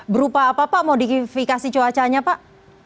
berupa apa pak modifikasi cuacanya pak